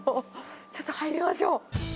ちょっと入りましょう。